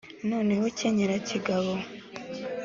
noneho kenyera kigabo,